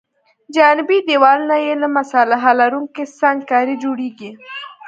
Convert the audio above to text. جانبي دیوالونه یې له مصالحه لرونکې سنګ کارۍ جوړیږي